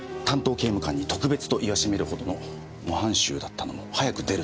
担当刑務官に特別と言わしめるほどの模範囚だったのも早く出るため。